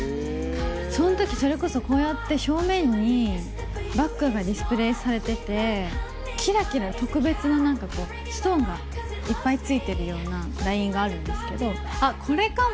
そんとき、それこそこうやって、正面にバッグがディスプレイされてて、きらきら特別ななんかこう、ストーンがいっぱいついてるようなラインがあるんですけど、あっ、これかも。